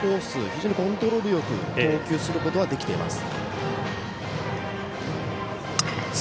非常にコントロールよく投球することができています。